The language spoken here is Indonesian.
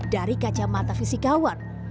dari kacamata fisikawan